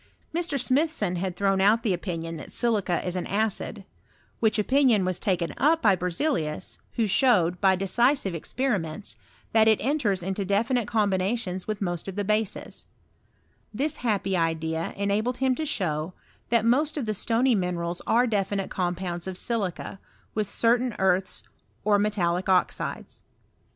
Mr. Smithson had thrown out the opinion that silica is an add : which opinion was taken up by BerzeUus, who showed, by deciah e ex FROGHESS OF ASALTTICAI. CHEMISTRY. 223 periments, that it enters into definite combinatians with most of the bases. This happy idea enabled him to show, that most of the stony minerals are definite compounds of silica, with certain earths or metallic osides.